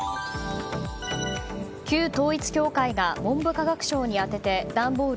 旧統一教会が文部科学省に宛てて段ボール